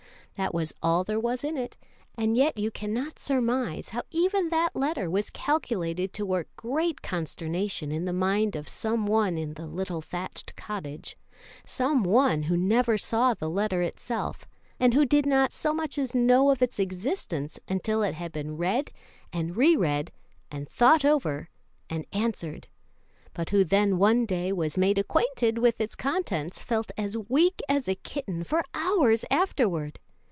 That was all there was in it, and yet can you not surmise how even that letter was calculated to work great consternation in the mind of some one in the little thatched cottage some one who never saw the letter itself, and who did not so much as know of its existence until it had been read and re read and thought over and answered, but who when one day he was made acquainted with its contents felt as weak as a kitten for hours afterward?